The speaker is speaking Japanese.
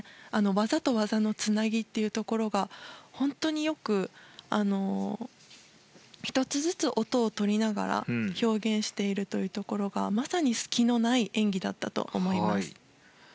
技と技のつなぎというところが本当によく１つずつ音を取りながら表現しているところがまさに隙のない演技だったと思います。